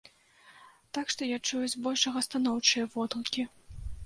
Так што я чую збольшага станоўчыя водгукі.